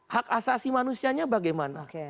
hak asasi manusianya bagaimana